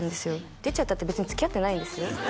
出ちゃったって別につきあってないんですよ